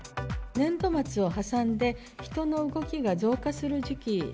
年度末を挟んで、人の動きが増加する時期。